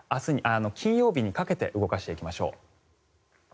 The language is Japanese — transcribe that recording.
金曜日にかけて動かしていきましょう。